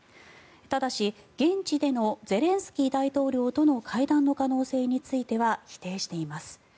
ただし、現地でのゼレンスキー大統領との会談の可能性については否定しています。